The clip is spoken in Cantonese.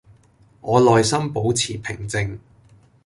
我內心保持平靜